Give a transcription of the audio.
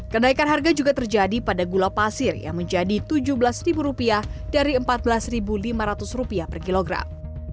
kenaikan harga juga terjadi pada gula pasir yang menjadi tujuh belas ribu rupiah dari empat belas ribu lima ratus rupiah per kilogram